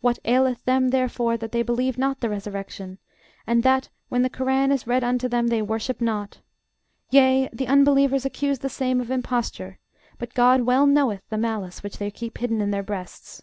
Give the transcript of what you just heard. What aileth them, therefore, that they believe not the resurrection; and that, when the Korân is read unto them, they worship not? Yea: the unbelievers accuse the same of imposture: but GOD well knoweth the malice which they keep hidden in their breasts.